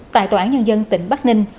tại tòa án nhân dân tỉnh bắc ninh